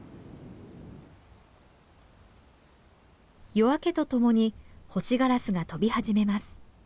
夜明けとともにホシガラスが飛び始めます。